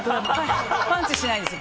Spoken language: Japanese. パンチしないですよ。